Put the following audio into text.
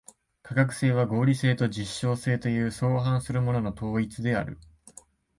科学性は合理性と実証性という相反するものの統一である。